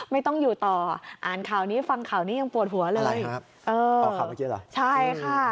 ไม่ต้องอยู่ต่ออ่านข่าวนี้ฟังข่าวนี้ยังปวดหัวเลย